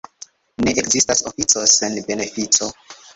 Ne ekzistas ofico sen benefico.